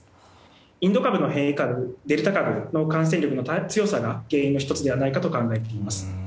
インド株の変異株、デルタ株の感染力の強さも原因の１つではないかと考えています。